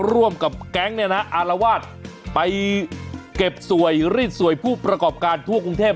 ร่วมกับแก๊งเนี่ยนะอารวาสไปเก็บสวยรีดสวยผู้ประกอบการทั่วกรุงเทพ